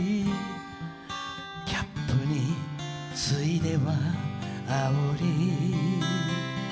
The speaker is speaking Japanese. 「キャップに注いでは呷り」